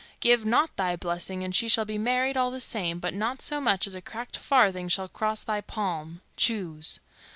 Give not thy blessing, and she shall be married all the same, but not so much as a cracked farthing shall cross thy palm. Choose."